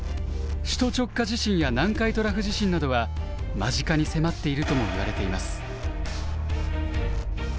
首都直下地震や南海トラフ地震などは間近に迫っているともいわれています。